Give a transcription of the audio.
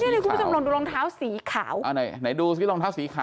เนี่ยเลยกูไม่จำลองดูรองเท้าสีขาวอ่าไหนไหนดูสิรองเท้าสีขาว